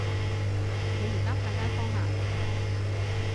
你而家派街坊呀